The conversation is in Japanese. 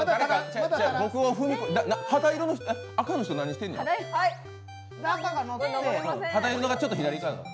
違う、赤の人何してんの？